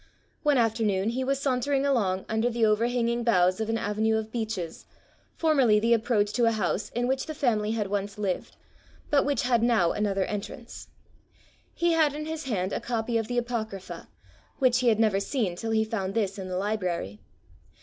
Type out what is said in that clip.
One afternoon he was sauntering along under the overhanging boughs of an avenue of beeches, formerly the approach to a house in which the family had once lived, but which had now another entrance. He had in his hand a copy of the Apocrypha, which he had never seen till he found this in the library.